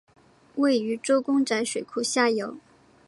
位于周公宅水库下游。